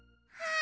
あ！